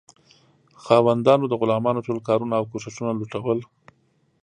خاوندانو د غلامانو ټول کارونه او کوښښونه لوټول.